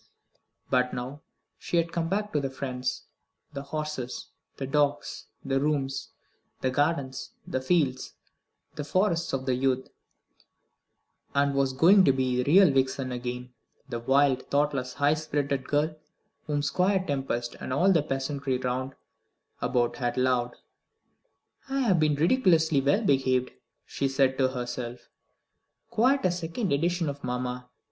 But now she had come back to the friends, the horses, the dogs, the rooms, the gardens, the fields, the forests of youth, and was going to be the real Vixen again; the wild, thoughtless, high spirited girl whom Squire Tempest and all the peasantry round about had loved. "I have been ridiculously well behaved," she said to herself, "quite a second edition of mamma.